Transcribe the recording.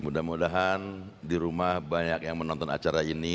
mudah mudahan di rumah banyak yang menonton acara ini